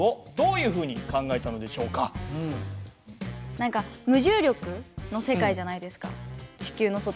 何か無重力の世界じゃないですか地球の外って。